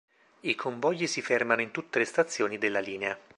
I convogli si fermano in tutte le stazioni della linea.